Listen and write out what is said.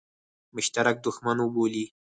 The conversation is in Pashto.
مشترک دښمن وبولي.